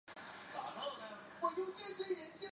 举办过奥运会的国家可以有两名委员。